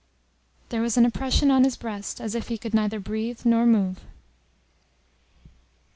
There was an oppression on his breast as if he could neither breathe nor move.